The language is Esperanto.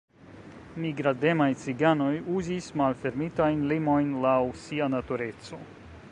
Migrademaj ciganoj uzis malfermitajn limojn laŭ sia natureco.